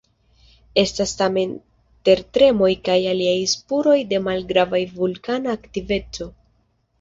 Estas tamen tertremoj kaj aliaj spuroj de malgrava vulkana aktiveco.